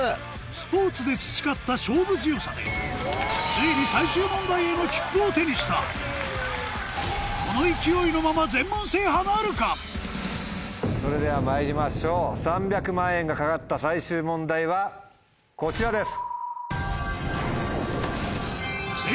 スポーツで培った勝負強さでついにを手にしたこの勢いのままそれではまいりましょう３００万円が懸かった最終問題はこちらです。